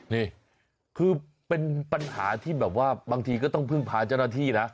นี่คือเป็นปัญหาที่แบบว่าบางทีก็ต้องพึ่งพาเจ้าหน้าที่นะ